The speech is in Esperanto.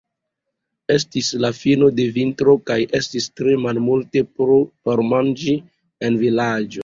Estis la fino de vintro kaj estis tre malmulte por manĝi en la vilaĝo.